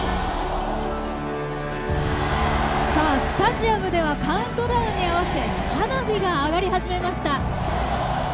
スタジアムではカウントダウンに合わせ花火が上がり始めました。